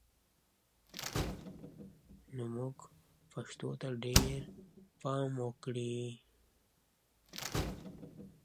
کتابتونونه د علم خزانې دي.